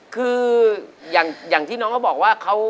คืออย่างที่น้องก็บอกว่า